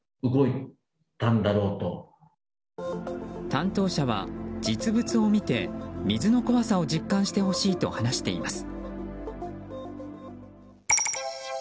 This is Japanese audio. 担当者は実物を見て水の怖さを実感してほしいと話しています。